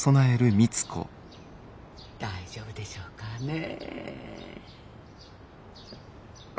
大丈夫でしょうかねえ。